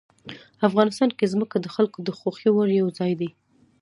افغانستان کې ځمکه د خلکو د خوښې وړ یو ځای دی.